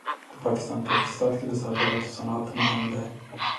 د پاکستان په اقتصاد کې د صادراتو صنعت مهم دی.